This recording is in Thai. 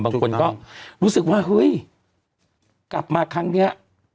บางคนก็รู้สึกว่าเฮ้ยกลับมาครั้งนี้